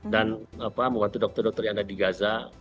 dan membantu dokter dokter yang ada di gaza